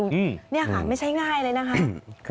นี่ค่ะไม่ใช่ง่ายเลยนะคะ